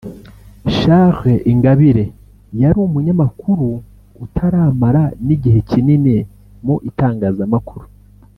Charles Ingabire yari umunyamakuru utaramara n’igihe kinini mu itangazamakuru